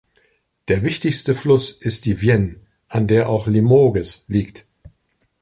Der wichtigste Fluss ist die Vienne, an der auch Limoges liegt.